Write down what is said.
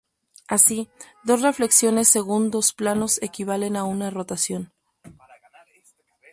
Así, dos reflexiones según dos planos equivalen a una rotación.